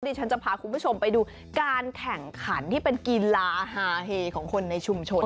ฉันจะพาคุณผู้ชมไปดูการแข่งขันที่เป็นกีฬาฮาเฮของคนในชุมชน